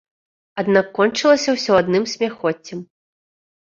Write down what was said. Аднак кончылася ўсё адным смяхоццем.